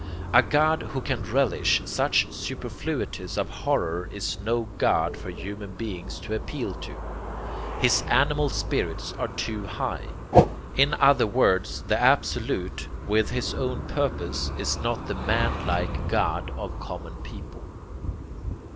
A God who can relish such superfluities of horror is no God for human beings to appeal to. His animal spirits are too high. In other words the 'Absolute' with his one purpose, is not the man like God of common people.